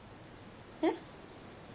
えっ？